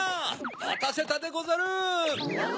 またせたでござる！